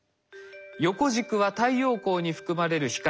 横軸は太陽光に含まれる光の波長です。